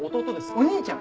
お兄ちゃん！